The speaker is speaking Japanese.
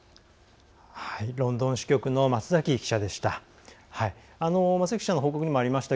ロンドン支局の松崎記者でした。